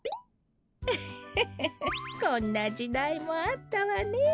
ウフフフフこんなじだいもあったわねえ。